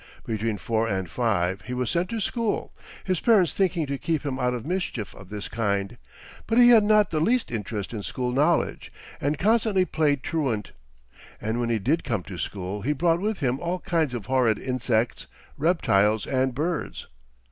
Between four and five he was sent to school, his parents thinking to keep him out of mischief of this kind. But he had not the least interest in school knowledge, and constantly played truant; and when he did come to school he brought with him all kinds of horrid insects, reptiles, and birds.